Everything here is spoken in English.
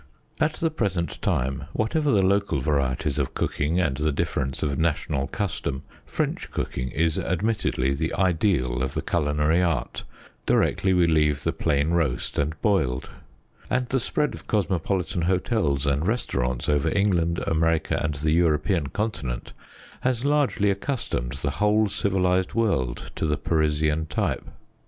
At the present time, whatever the local varieties of cooking, and the difference of national custom, French cooking is ad mittedly the ideal of the culinary art, directly we leave the plain 1 See Lady S. O. Morgan's France, 1829 1830, ii. 414, for an account of a dinner by Cargme. roast and boiled. And the spread of cosmopolitan hotels and restaurants over England, America and the European continent, has largely accustomed the whole civilized world to the Parisian type.